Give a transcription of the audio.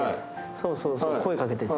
そうそうそう声掛けてて。